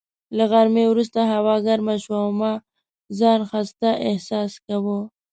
له غرمې وروسته هوا ګرمه شوه او ما ځان خسته احساس کاوه.